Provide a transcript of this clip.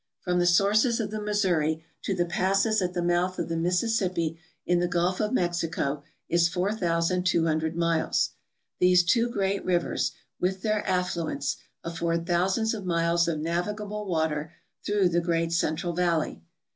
From the sources of the Missouri to the passes at the mouth of the Mis sissippi in the Gulf of Mexico is 4,200 miles. These two great rivers, with their affluents, afford thousands of miles of navi gable water through the great central valley.